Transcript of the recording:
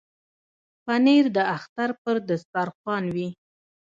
پنېر د اختر پر دسترخوان وي.